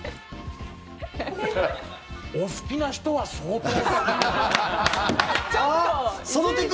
お好きな人は相当好き。